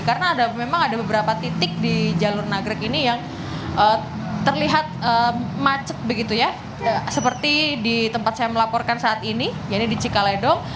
karena memang ada beberapa titik di jalur nagrek ini yang terlihat macet begitu ya seperti di tempat saya melaporkan saat ini yaitu di cikaledong